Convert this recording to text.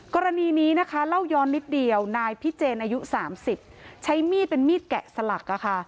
กรณีนี้นะคะเล่าย้อนนิดเดียวนายพิเจนอายุ๓๐ใช้มีดเป็นมีดแกะสลัก